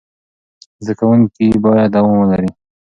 زده کوونکي باید دوام ولري.